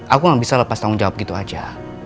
aku gak bisa lepas tanggung jawab gitu aja